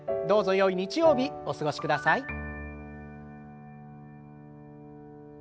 どうぞよい日曜日お過ごしください。